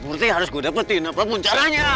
berarti harus gue dapetin apapun caranya